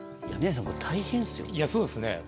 いやそうですね。